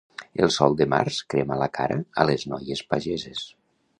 El sol de març crema la cara a les noies pageses.